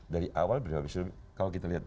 dari awal kalau kita lihat